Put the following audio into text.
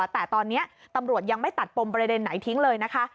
แต่ตอนนี้ตำรวจยังไม่ตัดปมประเด็นไหนทิ้งเลยนะคะ